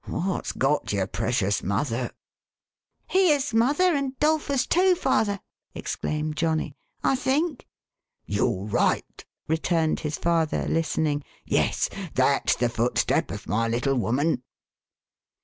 What's got your precious mother ?" "Here's mother, and 'Dolphus too, father !" exclaimed Johnny, " I think." " You're right !"" returned his father, listening. " Yes, that's the footstep of my little woman."